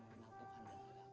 yang tidak menangguhkan